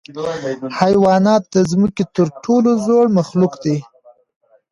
حیوانات د ځمکې تر ټولو زوړ مخلوق دی.